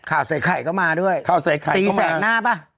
ข่าวใส่ไข่เข้ามาด้วยตีแสกหน้าปะ